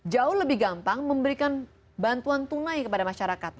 jauh lebih gampang memberikan bantuan tunai kepada masyarakat